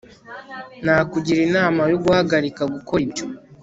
nakugira inama yo guhagarika gukora ibyo